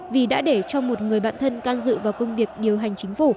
vì đã để cho một người bạn thân can dự vào công việc điều hành chính phủ